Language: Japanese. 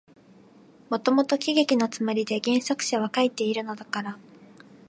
もともと喜劇のつもりで原作者は書いているのだから、